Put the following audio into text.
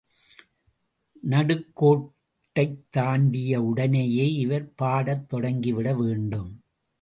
நடுக்கோட்டைத் தாண்டிய உடனேயே, இவர் பாடத் தொடங்கிவிட வேண்டும்.